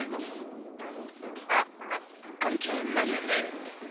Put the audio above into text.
あ関係ないよね。